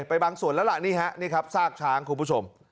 บางส่วนแล้วล่ะนี่ฮะนี่ครับซากช้างคุณผู้ชม